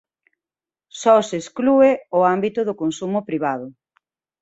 Só se exclúe o ámbito do consumo privado.